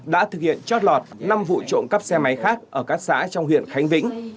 đã thực hiện trót lọt năm vụ trộm cắp xe máy khác ở các xã trong huyện khánh vĩnh